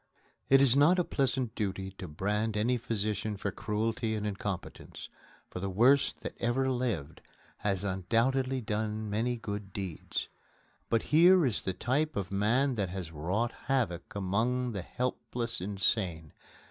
It is not a pleasant duty to brand any physician for cruelty and incompetence, for the worst that ever lived has undoubtedly done many good deeds. But here is the type of man that has wrought havoc among the helpless insane.